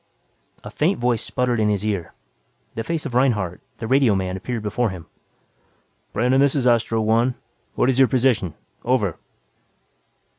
A faint voice sputtered in his ear, the face of Reinhardt, the radioman appeared before him. "Brandon, this is Astro One. What is your position? Over."